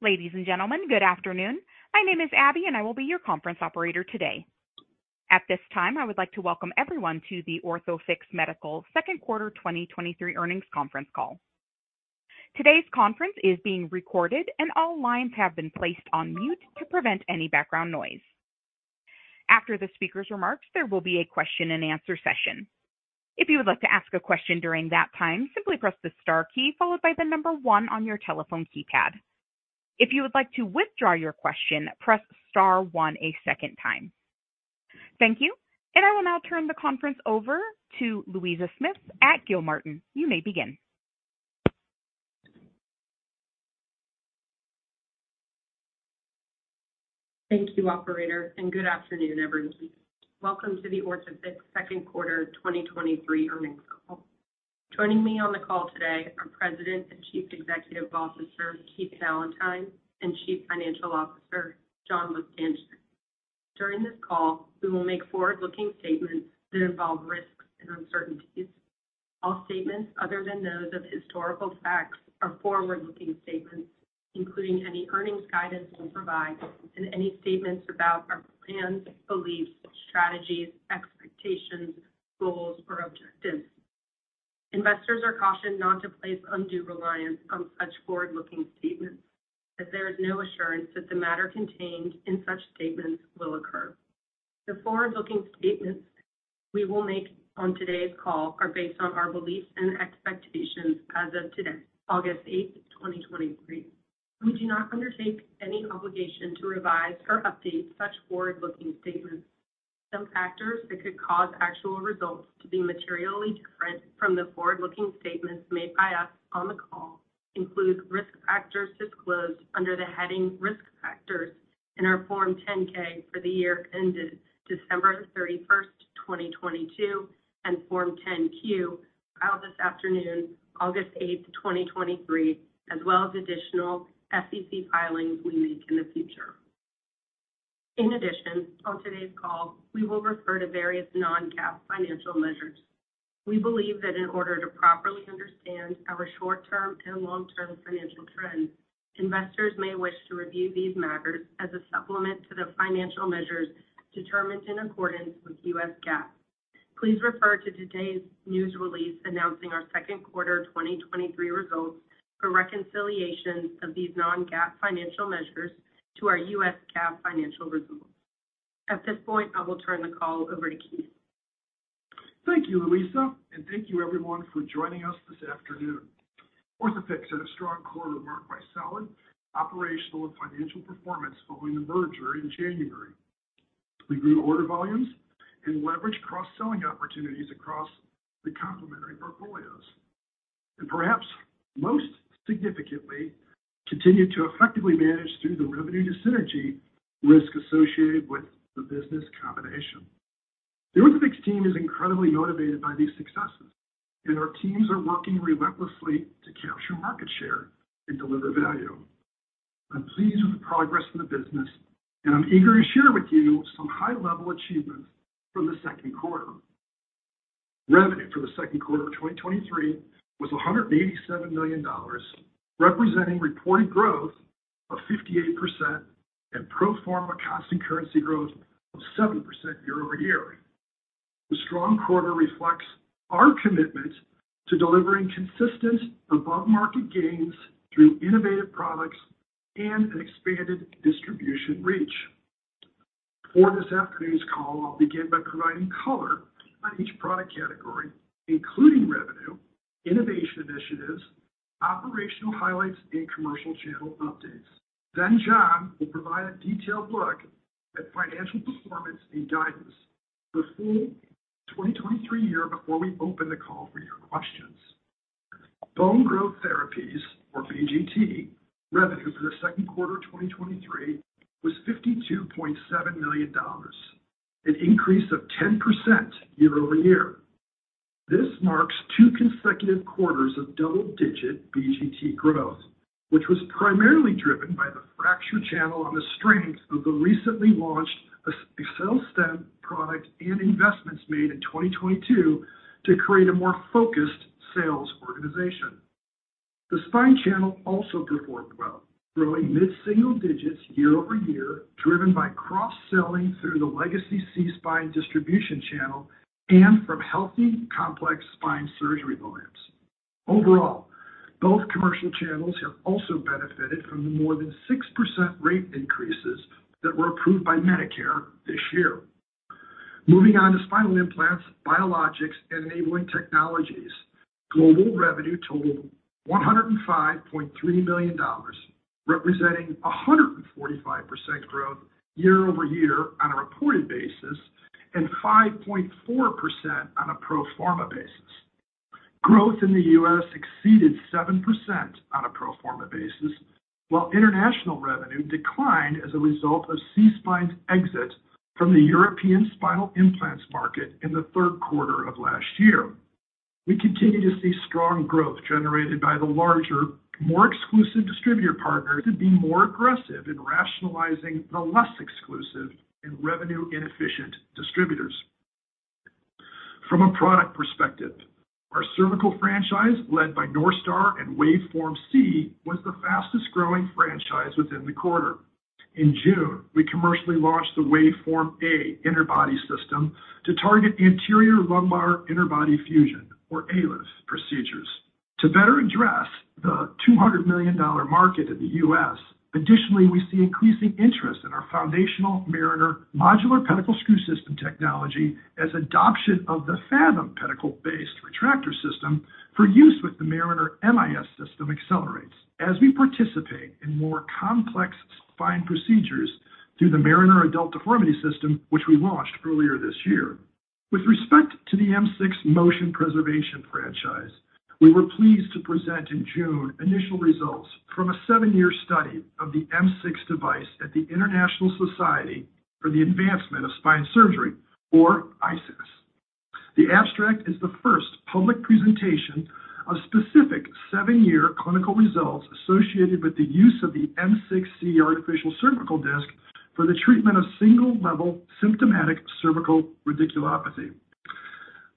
Ladies and gentlemen, good afternoon. My name is Abby, I will be your conference operator today. At this time, I would like to welcome everyone to the Orthofix Medical second quarter 2023 earnings conference call. Today's conference is being recorded, and all lines have been placed on mute to prevent any background noise. After the speaker's remarks, there will be a question-and-answer session. If you would like to ask a question during that time, simply press the star key followed by the number one on your telephone keypad. If you would like to withdraw your question, press star one a second time. Thank you, I will now turn the conference over to Louisa Smith at Gilmartin. You may begin. Thank you, operator. Good afternoon, everyone. Welcome to the Orthofix second quarter 2023 earnings call. Joining me on the call today are President and Chief Executive Officer, Keith Valentine, and Chief Financial Officer, John Bostjancic. During this call, we will make forward-looking statements that involve risks and uncertainties. All statements other than those of historical facts are forward-looking statements, including any earnings guidance we provide and any statements about our plans, beliefs, strategies, expectations, goals, or objectives. Investors are cautioned not to place undue reliance on such forward-looking statements, as there is no assurance that the matter contained in such statements will occur. The forward-looking statements we will make on today's call are based on our beliefs and expectations as of today, August 8, 2023. We do not undertake any obligation to revise or update such forward-looking statements. Some factors that could cause actual results to be materially different from the forward-looking statements made by us on the call include risk factors disclosed under the heading Risk Factors in our Form 10-K for the year ended December 31st, 2022, and Form 10-Q, filed this afternoon, August 8th, 2023, as well as additional SEC filings we make in the future. In addition, on today's call, we will refer to various non-GAAP financial measures. We believe that in order to properly understand our short-term and long-term financial trends, investors may wish to review these matters as a supplement to the financial measures determined in accordance with US GAAP. Please refer to today's news release announcing our second quarter 2023 results for reconciliation of these non-GAAP financial measures to our US GAAP financial results. At this point, I will turn the call over to Keith. Thank you, Louisa, and thank you everyone for joining us this afternoon. Orthofix had a strong quarter marked by solid operational and financial performance following the merger in January. We grew order volumes and leveraged cross-selling opportunities across the complementary portfolios, and perhaps most significantly, continued to effectively manage through the revenue synergy risk associated with the business combination. The Orthofix team is incredibly motivated by these successes, and our teams are working relentlessly to capture market share and deliver value. I'm pleased with the progress of the business, and I'm eager to share with you some high-level achievements from the second quarter. Revenue for the second quarter of 2023 was $187 million, representing reported growth of 58% and pro forma constant currency growth of 7% year-over-year. The strong quarter reflects our commitment to delivering consistent above-market gains through innovative products and an expanded distribution reach. For this afternoon's call, I'll begin by providing color on each product category, including revenue, innovation initiatives, operational highlights, and commercial channel updates. John will provide a detailed look at financial performance and guidance for full 2023 year before we open the call for your questions. Bone Growth Therapies, or BGT, revenue for the second quarter of 2023 was $52.7 million, an increase of 10% year-over-year. This marks two consecutive quarters of double-digit BGT growth, which was primarily driven by the fracture channel on the strength of the recently launched AccelStim product and investments made in 2022 to create a more focused sales organization. The spine channel also performed well, growing mid-single digits year-over-year, driven by cross-selling through the legacy SeaSpine distribution channel and from healthy, complex spine surgery volumes. Overall, both commercial channels have also benefited from the more than 6% rate increases that were approved by Medicare this year. Moving on to spinal implants, biologics and enabling technologies. Global revenue totaled $105.3 million, representing 145% growth year-over-year on a reported basis, and 5.4% on a pro forma basis. Growth in the U.S. exceeded 7% on a pro forma basis, while international revenue declined as a result of SeaSpine's exit from the European spinal implants market in the third quarter of last year. We continue to see strong growth generated by the larger, more exclusive distributor partners and be more aggressive in rationalizing the less exclusive and revenue-inefficient distributors. From a product perspective, our cervical franchise, led by NorthStar and WaveForm C, was the fastest-growing franchise within the quarter. In June, we commercially launched the WaveForm A interbody system to target anterior lumbar interbody fusion, or ALIF procedures, to better address the $200 million market in the U.S. Additionally, we see increasing interest in our foundational Mariner modular pedicle screw system technology as adoption of the Fathom pedicle-based retractor system for use with the Mariner MIS system accelerates as we participate in more complex spine procedures through the Mariner Adult Deformity system, which we launched earlier this year. With respect to the M6 motion preservation franchise, we were pleased to present in June initial results from a 7-year study of the M6 device at the International Society for the Advancement of Spine Surgery, or ISASS. The abstract is the first public presentation of specific 7-year clinical results associated with the use of the M6-C artificial cervical disc for the treatment of single-level symptomatic cervical radiculopathy.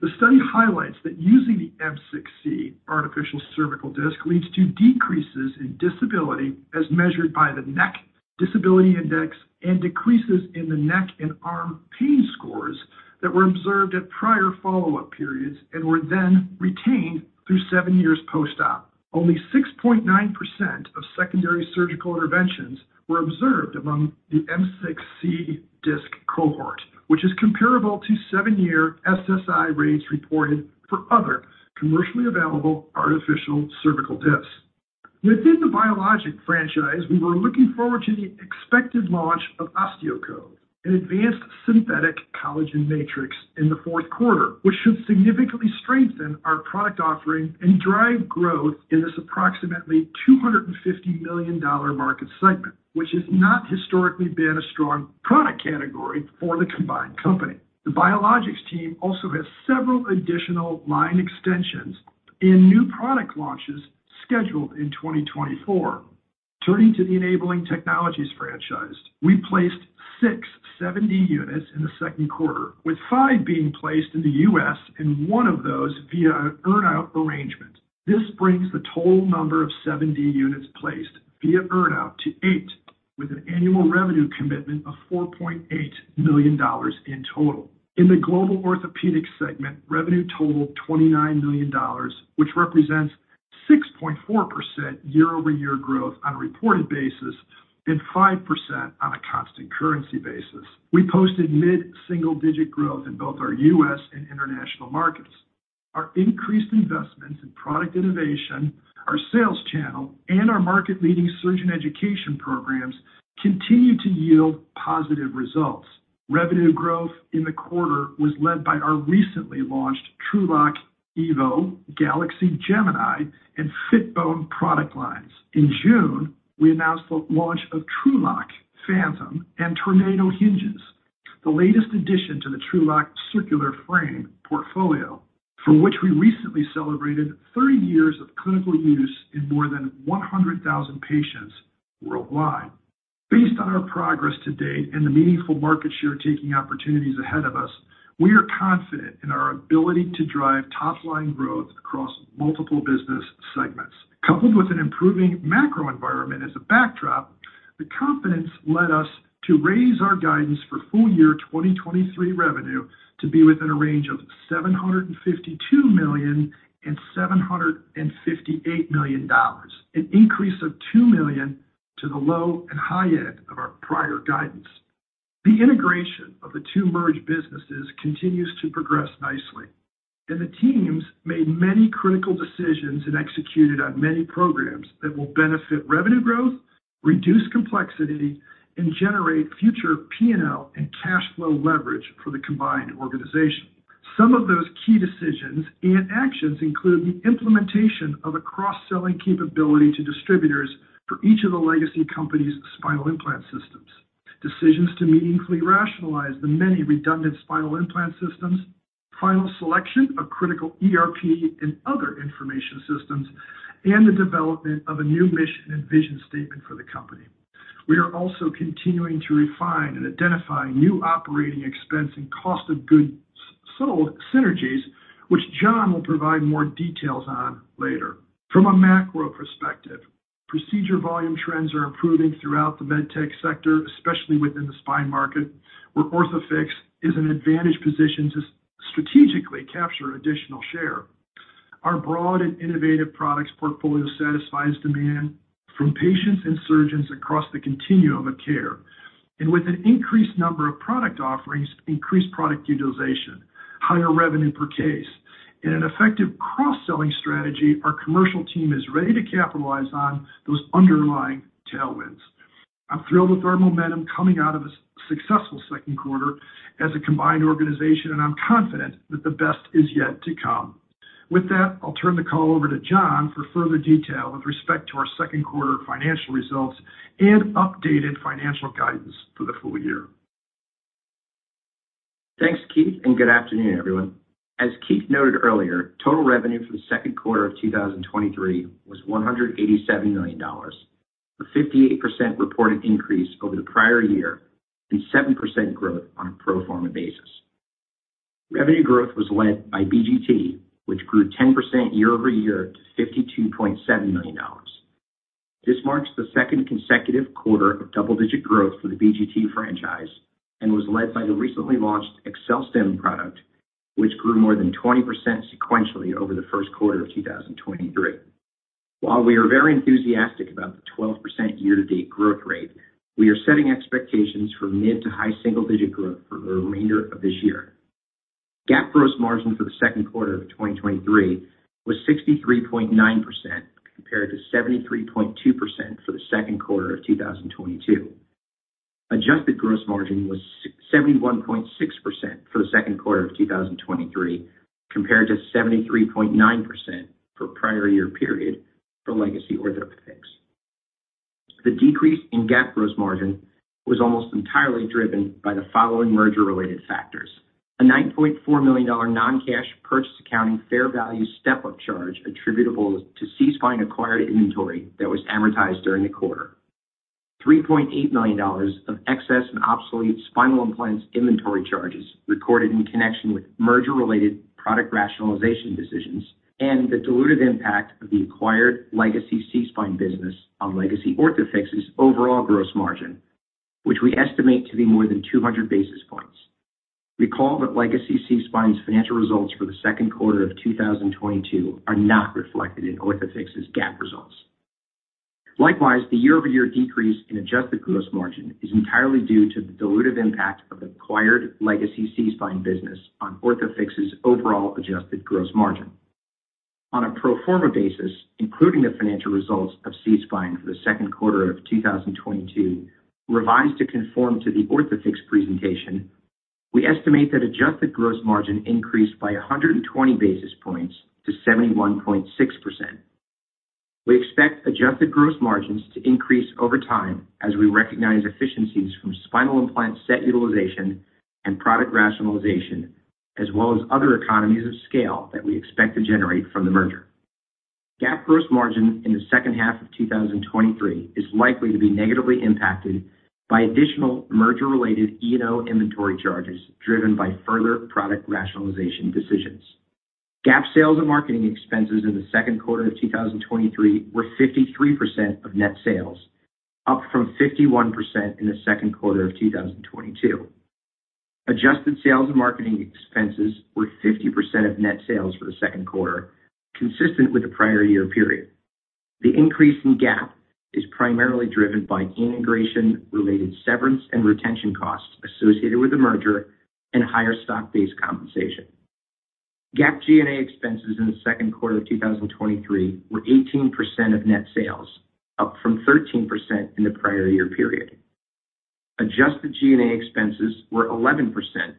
The study highlights that using the M6-C artificial cervical disc leads to decreases in disability as measured by the Neck Disability Index and decreases in the neck and arm pain scores that were observed at prior follow-up periods and were then retained through 7 years post-op. Only 6.9% of secondary surgical interventions were observed among the M6-C disc cohort, which is comparable to 7-year SSI rates reported for other commercially available artificial cervical discs. Within the biologic franchise, we were looking forward to the expected launch of OsteoCove, an advanced synthetic collagen matrix, in the fourth quarter, which should significantly strengthen our product offering and drive growth in this approximately $250 million market segment, which has not historically been a strong product category for the combined company. The biologics team also has several additional line extensions and new product launches scheduled in 2024. Turning to the enabling technologies franchise, we placed six 7D units in the second quarter, with five being placed in the U.S. and one of those via an earn-out arrangement. This brings the total number of 7D units placed via earn-out to eight, with an annual revenue commitment of $4.8 million in total. In the global orthopedic segment, revenue totaled $29 million, which represents 6.4% year-over-year growth on a reported basis and 5% on a constant currency basis. We posted mid-single-digit growth in both our US and international markets. Our increased investments in product innovation, our sales channel, and our market-leading surgeon education programs continue to yield positive results. Revenue growth in the quarter was led by our recently launched TrueLok, EVO, Galaxy Gemini, and Fitbone product lines. In June, we announced the launch of TrueLok Phantom and Tornado Hinges, the latest addition to the TrueLok circular frame portfolio, for which we recently celebrated 30 years of clinical use in more than 100,000 patients worldwide. Based on our progress to date and the meaningful market share taking opportunities ahead of us, we are confident in our ability to drive top-line growth across multiple business segments. Coupled with an improving macro environment as a backdrop, the confidence led us to raise our guidance for full year 2023 revenue to be within a range of $752 million and $758 million, an increase of $2 million to the low and high end of our prior guidance. The integration of the two merged businesses continues to progress nicely. The teams made many critical decisions and executed on many programs that will benefit revenue growth, reduce complexity, and generate future P&L and cash flow leverage for the combined organization. Some of those key decisions and actions include the implementation of a cross-selling capability to distributors for each of the legacy companies' spinal implant systems, decisions to meaningfully rationalize the many redundant spinal implant systems, final selection of critical ERP and other information systems, and the development of a new mission and vision statement for the company. We are also continuing to refine and identify new operating expense and cost of goods sold synergies, which John will provide more details on later. From a macro perspective, procedure volume trends are improving throughout the med tech sector, especially within the spine market, where Orthofix is an advantaged position to strategically capture additional share. Our broad and innovative products portfolio satisfies demand from patients and surgeons across the continuum of care. With an increased number of product offerings, increased product utilization, higher revenue per case, and an effective cross-selling strategy, our commercial team is ready to capitalize on those underlying tailwinds. I'm thrilled with our momentum coming out of a successful second quarter as a combined organization, and I'm confident that the best is yet to come. With that, I'll turn the call over to John for further detail with respect to our second quarter financial results and updated financial guidance for the full year. Thanks, Keith. Good afternoon, everyone. As Keith noted earlier, total revenue for the second quarter of 2023 was $187 million, a 58% reported increase over the prior year and 7% growth on a pro forma basis. Revenue growth was led by BGT, which grew 10% year-over-year to $52.7 million. This marks the second consecutive quarter of double-digit growth for the BGT franchise and was led by the recently launched AccelStim product, which grew more than 20% sequentially over the first quarter of 2023. While we are very enthusiastic about the 12% year-to-date growth rate, we are setting expectations for mid to high single-digit growth for the remainder of this year. GAAP gross margin for the second quarter of 2023 was 63.9%, compared to 73.2% for the second quarter of 2022. Adjusted gross margin was 71.6% for the second quarter of 2023, compared to 73.9% for prior year period for legacy Orthofix. The decrease in GAAP gross margin was almost entirely driven by the following merger-related factors: A $9.4 million non-cash purchase accounting fair value step-up charge attributable to SeaSpine acquired inventory that was amortized during the quarter, $3.8 million of excess and obsolete spinal implants inventory charges recorded in connection with merger-related product rationalization decisions, and the dilutive impact of the acquired legacy SeaSpine business on legacy Orthofix's overall gross margin, which we estimate to be more than 200 basis points. Recall that legacy SeaSpine's financial results for the second quarter of 2022 are not reflected in Orthofix's GAAP results. Likewise, the year-over-year decrease in adjusted gross margin is entirely due to the dilutive impact of acquired legacy SeaSpine business on Orthofix's overall adjusted gross margin. On a pro forma basis, including the financial results of SeaSpine for the second quarter of 2022, revised to conform to the Orthofix presentation, we estimate that adjusted gross margin increased by 120 basis points to 71.6%. We expect adjusted gross margins to increase over time as we recognize efficiencies from spinal implant set utilization and product rationalization, as well as other economies of scale that we expect to generate from the merger. GAAP gross margin in the second half of 2023 is likely to be negatively impacted by additional merger-related E&O inventory charges driven by further product rationalization decisions. GAAP sales and marketing expenses in the second quarter of 2023 were 53% of net sales, up from 51% in the second quarter of 2022. Adjusted sales and marketing expenses were 50% of net sales for the second quarter, consistent with the prior year period. The increase in GAAP is primarily driven by integration-related severance and retention costs associated with the merger and higher stock-based compensation. GAAP G&A expenses in the second quarter of 2023 were 18% of net sales, up from 13% in the prior year period. Adjusted G&A expenses were 11%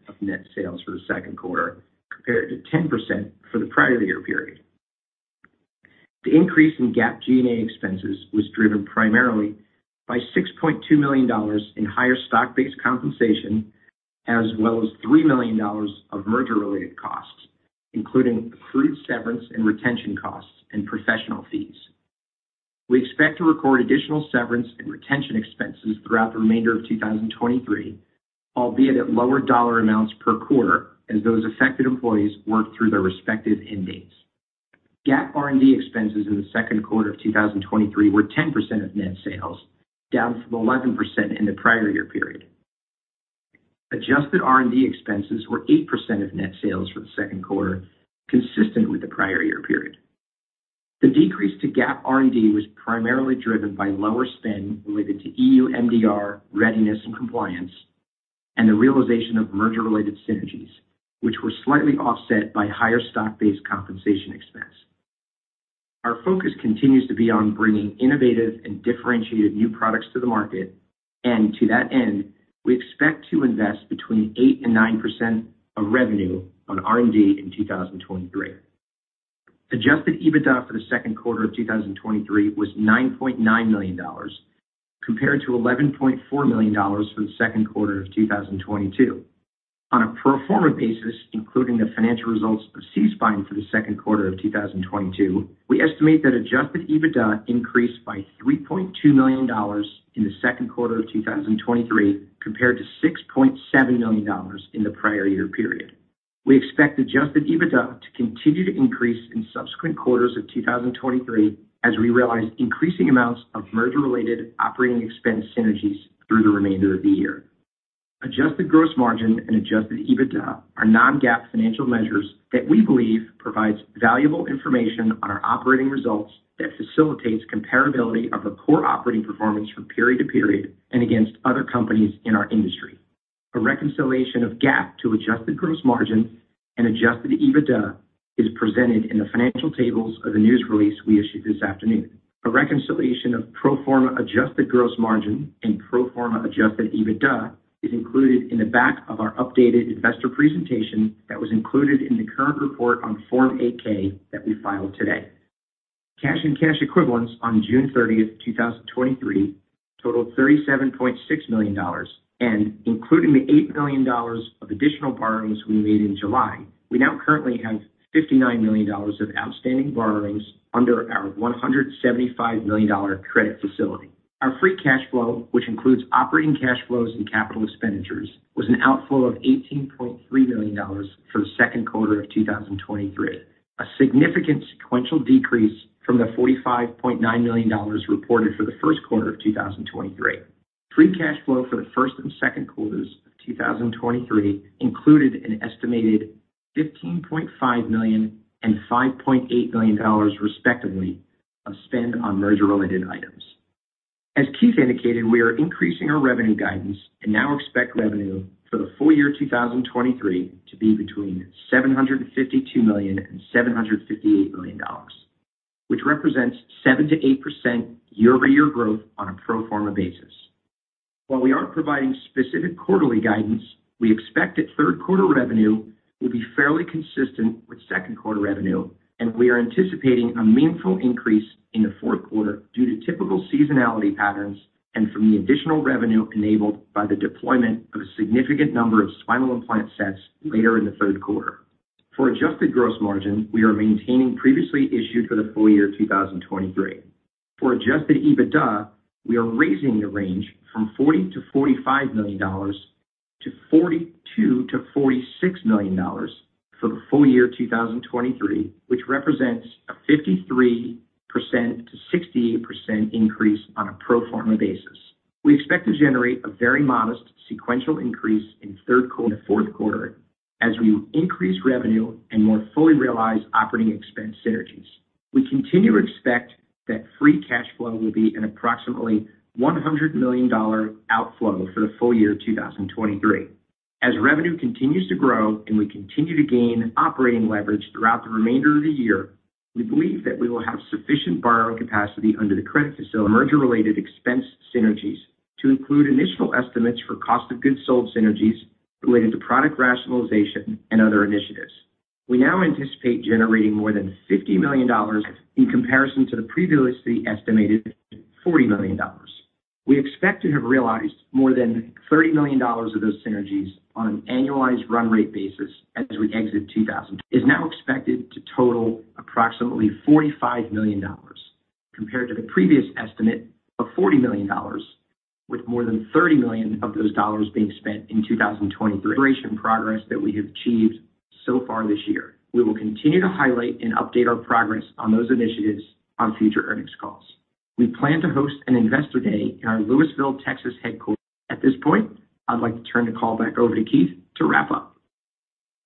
of net sales for the second quarter, compared to 10% for the prior year period. The increase in GAAP G&A expenses was driven primarily by $6.2 million in higher stock-based compensation, as well as $3 million of merger-related costs, including accrued severance and retention costs and professional fees. We expect to record additional severance and retention expenses throughout the remainder of 2023, albeit at lower dollar amounts per quarter as those affected employees work through their respective end dates. GAAP R&D expenses in the second quarter of 2023 were 10% of net sales, down from 11% in the prior year period. Adjusted R&D expenses were 8% of net sales for the second quarter, consistent with the prior year period. The decrease to GAAP R&D was primarily driven by lower spend related to EU MDR readiness and compliance, and the realization of merger-related synergies, which were slightly offset by higher stock-based compensation expense. Our focus continues to be on bringing innovative and differentiated new products to the market, and to that end, we expect to invest between 8% and 9% of revenue on R&D in 2023. Adjusted EBITDA for the second quarter of 2023 was $9.9 million, compared to $11.4 million for the second quarter of 2022. On a pro forma basis, including the financial results of SeaSpine for the second quarter of 2022, we estimate that Adjusted EBITDA increased by $3.2 million in the second quarter of 2023, compared to $6.7 million in the prior year period. We expect Adjusted EBITDA to continue to increase in subsequent quarters of 2023 as we realize increasing amounts of merger-related operating expense synergies through the remainder of the year. Adjusted gross margin and Adjusted EBITDA are non-GAAP financial measures that we believe provides valuable information on our operating results that facilitates comparability of the core operating performance from period to period and against other companies in our industry. A reconciliation of GAAP to adjusted gross margin and Adjusted EBITDA is presented in the financial tables of the news release we issued this afternoon. A reconciliation of pro forma adjusted gross margin and pro forma adjusted EBITDA is included in the back of our updated investor presentation that was included in the current report on Form 8 K that we filed today. Cash and cash equivalents on June 30th, 2023,... totaled $37.6 million, and including the $8 million of additional borrowings we made in July, we now currently have $59 million of outstanding borrowings under our $175 million credit facility. Our free cash flow, which includes operating cash flows and capital expenditures, was an outflow of $18.3 million for the second quarter of 2023, a significant sequential decrease from the $45.9 million reported for the first quarter of 2023. Free cash flow for the 1st and 2nd quarters of 2023 included an estimated $15.5 million and $5.8 million, respectively, of spend on merger-related items. As Keith indicated, we are increasing our revenue guidance and now expect revenue for the full year 2023 to be between $752 million and $758 million, which represents 7%-8% year-over-year growth on a pro forma basis. While we aren't providing specific quarterly guidance, we expect that 3rd quarter revenue will be fairly consistent with 2nd quarter revenue, and we are anticipating a meaningful increase in the 4th quarter due to typical seasonality patterns and from the additional revenue enabled by the deployment of a significant number of spinal implant sets later in the 3rd quarter. For adjusted gross margin, we are maintaining previously issued for the full year 2023. For adjusted EBITDA, we are raising the range from $40 million-$45 million to $42 million-$46 million for the full year 2023, which represents a 53%-68% increase on a pro forma basis. We expect to generate a very modest sequential increase in third quarter and fourth quarter as we increase revenue and more fully realize operating expense synergies. We continue to expect that free cash flow will be an approximately $100 million outflow for the full year 2023. As revenue continues to grow and we continue to gain operating leverage throughout the remainder of the year, we believe that we will have sufficient borrowing capacity under the credit facility. Merger-related expense synergies to include initial estimates for cost of goods sold synergies related to product rationalization and other initiatives. We now anticipate generating more than $50 million in comparison to the previously estimated $40 million. We expect to have realized more than $30 million of those synergies on an annualized run rate basis as we exit 2023. Is now expected to total approximately $45 million, compared to the previous estimate of $40 million, with more than $30 million of those dollars being spent in 2023. Progress that we have achieved so far this year. We will continue to highlight and update our progress on those initiatives on future earnings calls. We plan to host an investor day in our Lewisville, Texas, headquarters. At this point, I'd like to turn the call back over to Keith to wrap up.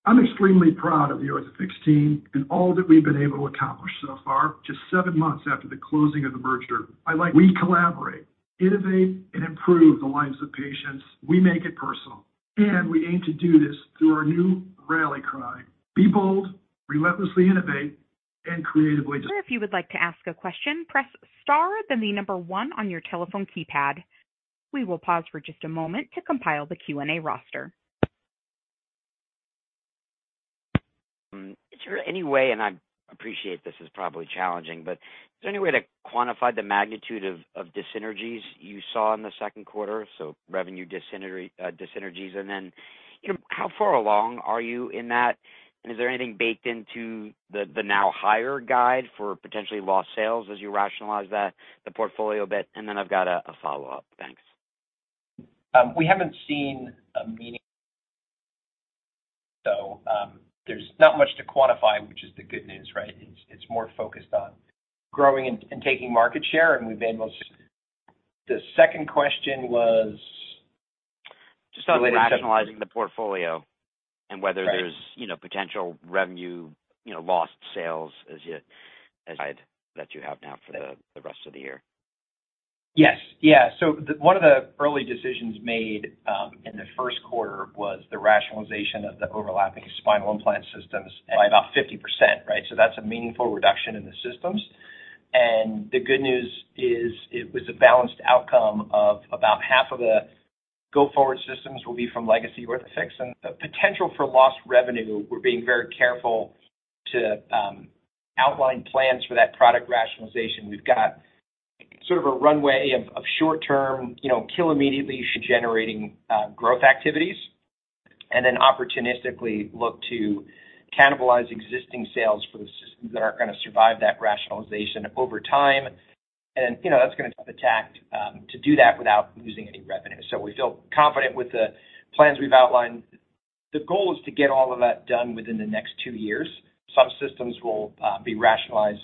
I'm extremely proud of the Orthofix team and all that we've been able to accomplish so far, just seven months after the closing of the merger. We collaborate, innovate, and improve the lives of patients. We make it personal, and we aim to do this through our new rally cry: Be bold, relentlessly innovate, and creatively design. If you would like to ask a question, press star, then the number one on your telephone keypad. We will pause for just a moment to compile the Q&A roster. Is there any way, and I appreciate this is probably challenging, but is there any way to quantify the magnitude of, of dyssynergies you saw in the second quarter? Revenue dyssynergies, you know, how far along are you in that? Is there anything baked into the, the now higher guide for potentially lost sales as you rationalize that, the portfolio a bit? I've got a, a follow-up. Thanks. We haven't seen a meaning, so there's not much to quantify, which is the good news, right? It's, it's more focused on growing and, and taking market share, and we've made most... The second question was? Just on rationalizing the portfolio and whether there's. Right. you know, potential revenue, you know, lost sales as you guide that you have now for the rest of the year. Yes. Yeah. The, 1 of the early decisions made in the first quarter was the rationalization of the overlapping spinal implant systems by about 50%, right? That's a meaningful reduction in the systems. The good news is it was a balanced outcome of about half of the go-forward systems will be from legacy Orthofix. The potential for lost revenue, we're being very careful to outline plans for that product rationalization. We've got sort of a runway of, of short-term, you know, kill immediately generating growth activities, and then opportunistically look to cannibalize existing sales for the systems that aren't gonna survive that rationalization over time. You know, that's gonna attack to do that without losing any revenue. We feel confident with the plans we've outlined. The goal is to get all of that done within the next 2 years. Some systems will be rationalized,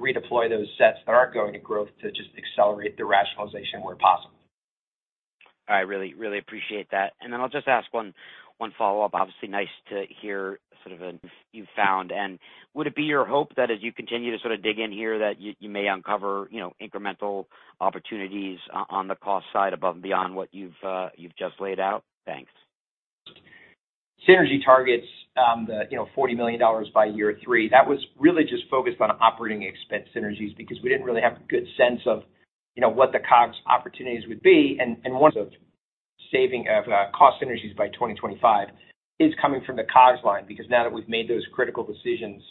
redeploy those sets that are going to growth to just accelerate the rationalization where possible. I really, really appreciate that. Then I'll just ask one, one follow-up. Obviously, nice to hear sort of an you found. Would it be your hope that as you continue to sort of dig in here, that you, you may uncover, you know, incremental opportunities on the cost side above and beyond what you've, you've just laid out? Thanks. Synergy targets, the, you know, $40 million by year three. That was really just focused on operating expense synergies because we didn't really have a good sense of, you know, what the COGS opportunities would be. Saving of, cost synergies by 2025 is coming from the COGS line, because now that we've made those critical decisions,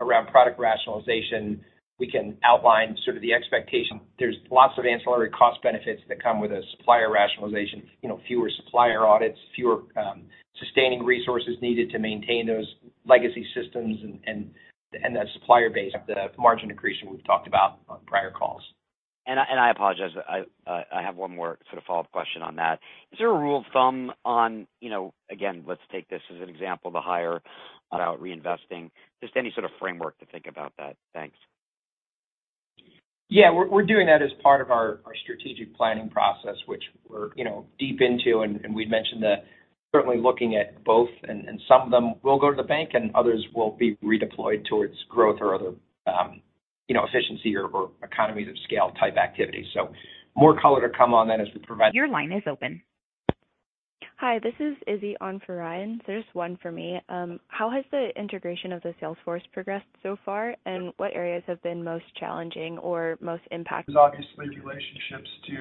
around product rationalization, we can outline sort of the expectation. There's lots of ancillary cost benefits that come with a supplier rationalization. You know, fewer supplier audits, fewer, sustaining resources needed to maintain those legacy systems and, and, and that supplier base, the margin accretion we've talked about on prior calls. I apologize, I have one more sort of follow-up question on that. Is there a rule of thumb on, you know, again, let's take this as an example, the higher about reinvesting, just any sort of framework to think about that? Thanks. Yeah, we're, we're doing that as part of our, our strategic planning process, which we're, you know, deep into, and we'd mentioned that certainly looking at both and some of them will go to the bank and others will be redeployed towards growth or other, you know, efficiency or, or economies of scale type activities. More color to come on that as we provide- Your line is open. Hi, this is Yisi on for Ryan. There's 1 for me. How has the integration of the sales force progressed so far? What areas have been most challenging or most impacted? There's obviously relationships to,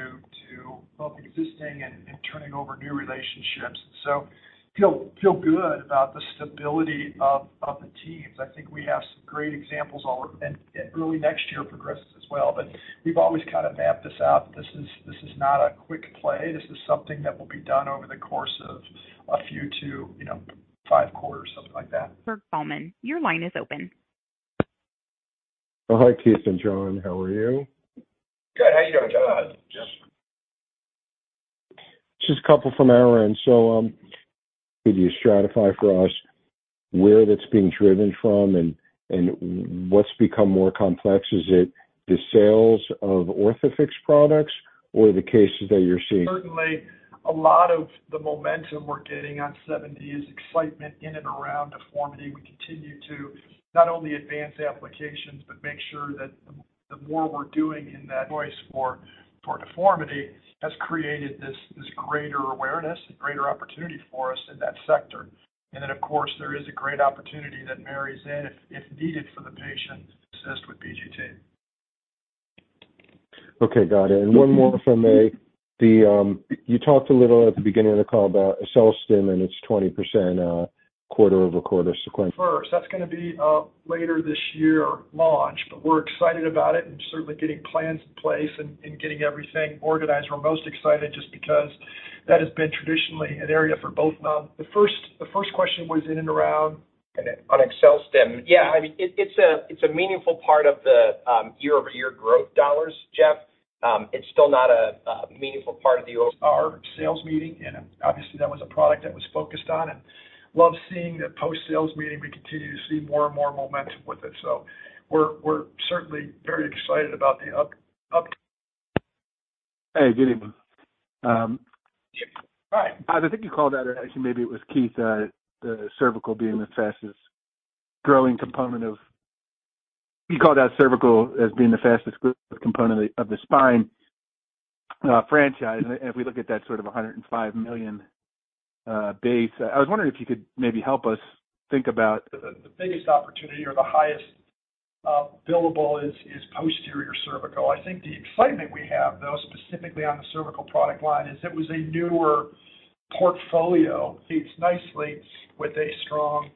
to both existing and, and turning over new relationships. Feel, feel good about the stability of, of the teams. I think we have some great examples all over. Early next year progresses as well. We've always kind of mapped this out. This is, this is not a quick play. This is something that will be done over the course of a few to, you know, five quarters, something like that. Kirk Bowman, your line is open. Oh, hi, Keith and John. How are you? Good. How you doing, Jeff? Just a couple from our end. Could you stratify for us where that's being driven from and what's become more complex? Is it the sales of Orthofix products or the cases that you're seeing? Certainly, a lot of the momentum we're getting on 7D is excitement in and around deformity. We continue to not only advance applications, but make sure that the more we're doing in that voice for, for deformity has created this, this greater awareness and greater opportunity for us in that sector. Then, of course, there is a great opportunity that marries in, if needed for the patient, assist with BGT. Okay, got it. One more from me. The, you talked a little at the beginning of the call about AccelStim and its 20%, quarter-over-quarter sequential. First, that's gonna be, later this year launch, but we're excited about it and certainly getting plans in place and, and getting everything organized. We're most excited just because that has been traditionally an area for both... The first, the first question was in and around? On AccelStim. Yeah, I mean, it, it's a, it's a meaningful part of the year-over-year growth dollars, Jeff. It's still not a meaningful part of the over- Our sales meeting, and obviously, that was a product that was focused on. Love seeing that post-sales meeting, we continue to see more and more momentum with it. We're certainly very excited about the up. Hey, good evening. Hi. I think you called out, or actually maybe it was Keith, the cervical being the fastest growing component of. You called out cervical as being the fastest growing component of the spine, franchise. If we look at that sort of $105 million base, I was wondering if you could maybe help us think about. The, the biggest opportunity or the highest billable is, is posterior cervical. I think the excitement we have, though, specifically on the cervical product line, is it was a newer portfolio. Fits nicely with a strong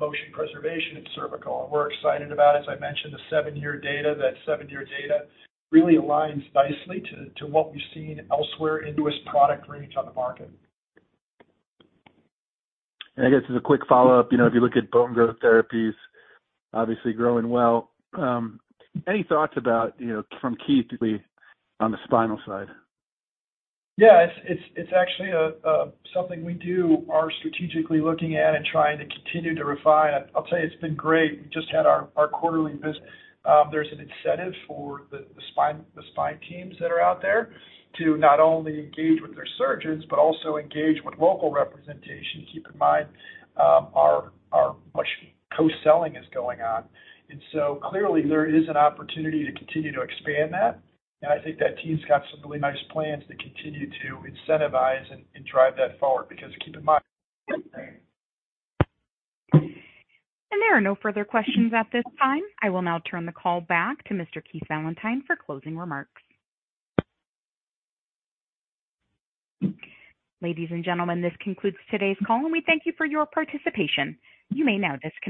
motion preservation in cervical, and we're excited about it. As I mentioned, the 7-year data, that 7-year data really aligns nicely to, to what we've seen elsewhere in this product range on the market. I guess as a quick follow-up, you know, if you look at Bone Growth Therapies obviously growing well, any thoughts about, you know, from Keith, particularly on the spinal side? Yeah, it's, it's, it's actually something we do, are strategically looking at and trying to continue to refine. I- I'll tell you, it's been great. We just had our, our quarterly visit. There's an incentive for the, the spine, the spine teams that are out there to not only engage with their surgeons, but also engage with local representation. Keep in mind, our, our much co-selling is going on, and so clearly there is an opportunity to continue to expand that. I think that team's got some really nice plans to continue to incentivize and, and drive that forward, because keep in mind- There are no further questions at this time. I will now turn the call back to Mr. Keith Valentine for closing remarks. Ladies and gentlemen, this concludes today's call, and we thank you for your participation. You may now disconnect.